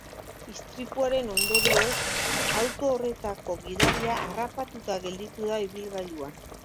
Istripuaren ondorioz, auto horretako gidaria harrapatuta gelditu da ibilgailuan.